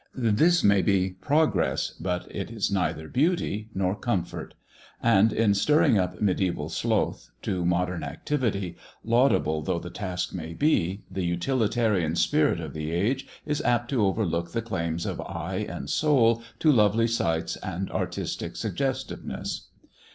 This may be progress, but it is neither beauty nor comfort ; and in 4 THE dwarf's chamber stirring up medisBval sloth to modem activity, laudable though the task may be, the utilitarian spirit of the age is apt to overlook the claims of eye and soul to lovely sights and artistic suggestiveness.